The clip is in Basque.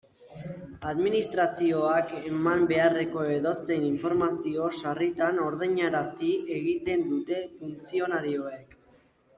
Administrazioak eman beharreko edozein informazio sarritan ordainarazi egiten dute funtzionarioek.